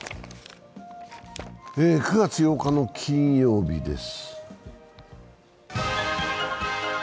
９月８日の金曜日です。